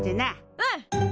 うん！